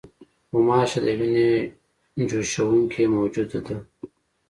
غوماشه د وینې چوشوونکې موجوده ده.